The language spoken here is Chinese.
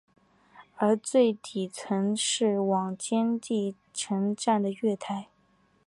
而最底层是往坚尼地城站的月台。